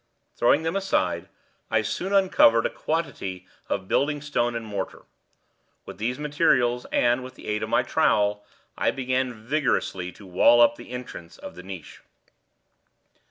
Throwing them aside, I soon uncovered a quantity of building stone and mortar. With these materials and with the aid of my trowel, I began vigorously to wall up the entrance of the niche.